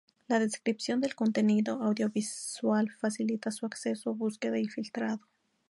La descripción del contenido audiovisual facilita su acceso, búsqueda y filtrado.